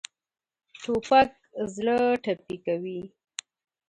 توپک زړه ټپي کوي.